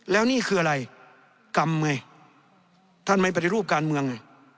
แล้วนี่คืออะไรกรรมไงท่านไม่ปฏิรูปการเมืองไง